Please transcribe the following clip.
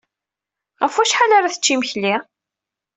Ɣef wacḥal ara tečč imekli?